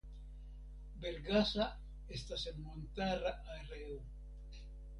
Bergasa estas en montara areo.